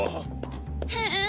へえ！